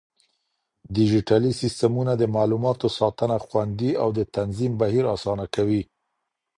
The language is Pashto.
ډيجيټلي سيستمونه د معلوماتو ساتنه خوندي او د تنظيم بهير آسانه کوي.